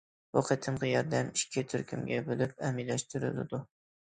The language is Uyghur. بۇ قېتىمقى ياردەم ئىككى تۈركۈمگە بولۇپ ئەمەلىيلەشتۈرۈلىدۇ.